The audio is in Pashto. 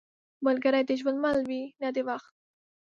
ملګری د ژوند مل وي، نه د وخت.